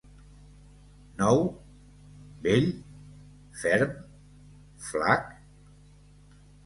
Nou? vell? ferm? flac?